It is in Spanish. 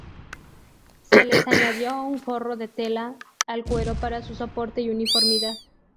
Se les añadió un forro de tela al cuero para su soporte y uniformidad.